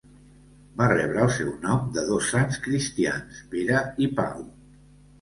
Va rebre el seu nom de dos sants cristians, Pere i Pau.